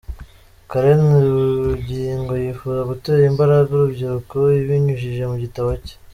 Karen Bugingo yifuza gutera imbaraga urubyiruko abinyujije mu gitabo cye.